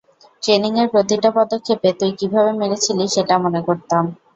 Training এর প্রতিটা পদক্ষেপে, তুই কীভাবে মেরেছিলি সেটা মনে করতাম।